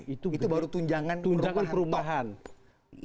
itu baru tunjangan perumahan top